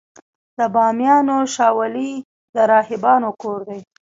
د بامیانو شاولې د راهبانو کور و